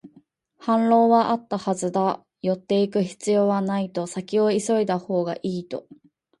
反論はあったはずだ、寄っていく必要はないと、先を急いだほうがいいと